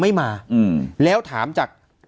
ไม่มาแล้วถามจาก